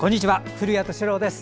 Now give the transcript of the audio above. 古谷敏郎です。